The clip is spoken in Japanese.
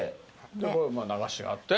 でこれ流しがあって。